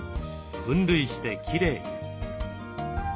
分類してきれいに。